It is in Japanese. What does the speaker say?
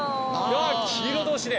黄色同士で。